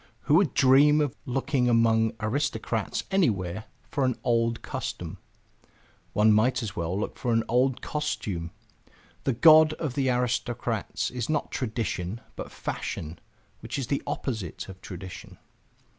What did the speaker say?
Who would dream of looking among aristocrats anywhere for an old custom? One might as well look for an old costume! The god of the aristocrats is not tradition, but fashion, which is the opposite of tradition.